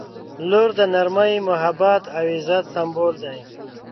• لور د نرمۍ، محبت او عزت سمبول دی.